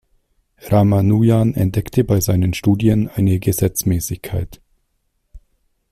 Ramanujan entdeckte bei seinen Studien eine Gesetzmäßigkeit.